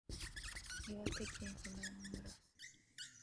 岩手県普代村